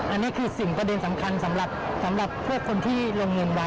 อันนี้คือสิ่งประเด็นสำคัญสำหรับพวกคนที่ลงเงินไว้